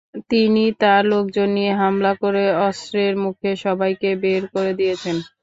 তিনি তাঁর লোকজন নিয়ে হামলা করে অস্ত্রের মুখে সবাইকে বের করে দিয়েছেন।